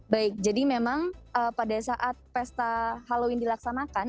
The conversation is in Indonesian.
baik jadi memang pada saat pesta halloween dilaksanakan